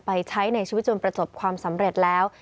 ใช้ในชีวิตจนประสบความสำเร็จแล้ว